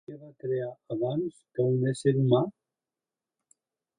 Què va crear, abans que un ésser humà?